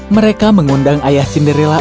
mereka mengundang ayah cinderella